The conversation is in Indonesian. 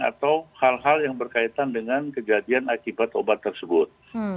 atau hal hal yang berkaitan dengan kejadian akibat obat tersebut